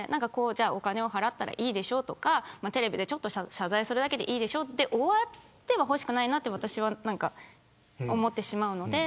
お金を払ったからいいでしょとかテレビで謝罪するだけでいいでしょで終わってほしくないなと私は思ってしまうので。